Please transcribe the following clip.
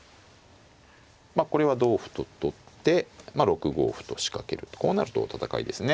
これは同歩と取って６五歩と仕掛けるとこうなると戦いですね。